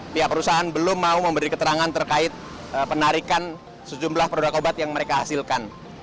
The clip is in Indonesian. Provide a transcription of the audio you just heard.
pihak perusahaan belum mau memberi keterangan terkait penarikan sejumlah produk obat yang mereka hasilkan